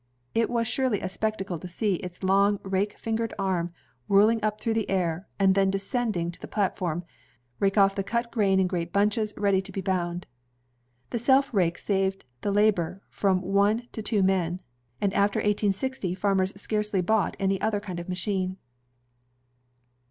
It was surely a spectacle to see its long rake fingered arm whirling up through the air, and then, descending to the platform, rake off the cut grain in great bunches ready to be bound. The self rake saved the labor of from one to two men, and after i860 farmers scarcely bought any other kind of machine.